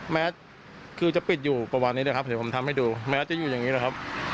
แม้คือจะปิดอยู่ประมาณนี้นะครับเดี๋ยวผมทำให้ดูแม้จะอยู่อย่างนี้นะครับ